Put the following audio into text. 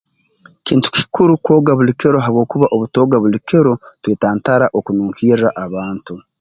Kintu kikuru okwoga buli kiro habwokuba obutooga buli kiro twetantara okununkirra abantu